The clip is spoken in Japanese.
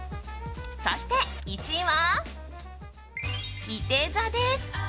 そして１位は、いて座です。